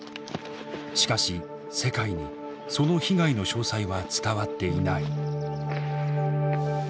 しかし世界にその被害の詳細は伝わっていない。